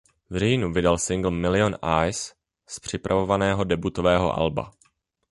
V říjnu vydal singl "Million Eyes" z připravovaného debutového alba.